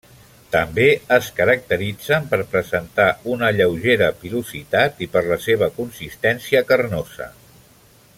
També es caracteritzen per presentar una lleugera pilositat i per la seva consistència carnosa.